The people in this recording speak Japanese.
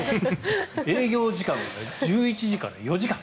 営業時間は１１時から４時間。